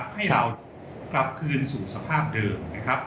ให้เรากลับคืนสู่สภาพเดิม